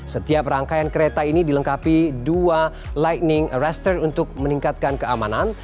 setiap rangkaian kereta ini dilengkapi dua lightning arestor untuk meningkatkan keamanan